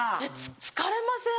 疲れません？